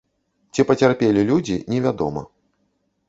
Ці пацярпелі людзі, невядома.